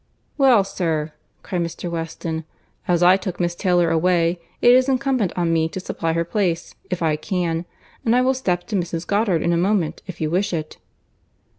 "Well, sir," cried Mr. Weston, "as I took Miss Taylor away, it is incumbent on me to supply her place, if I can; and I will step to Mrs. Goddard in a moment, if you wish it."